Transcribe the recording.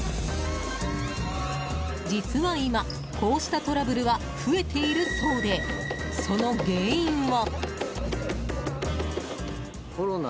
実は今、こうしたトラブルは増えているそうでその原因が。